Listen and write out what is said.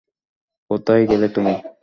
কোথায় গেলে তুমি?